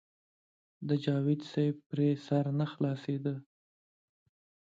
د جاوېد صېب پرې سر نۀ خلاصېدۀ -